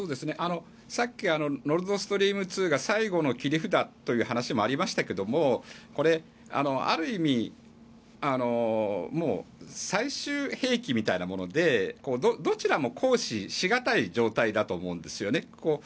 さっきノルドストリーム２が最後の切り札という話もありましたけどもある意味最終兵器みたいなものでどちらも行使しがたい状態だと思うんですよね。